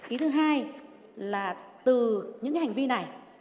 ý thứ hai là từ những hành vi này